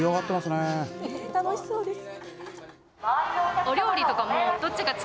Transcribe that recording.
楽しそうです。